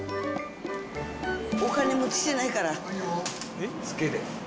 お金持ってきてないから。